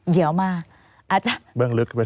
เดี๋ยวมาอาจารย์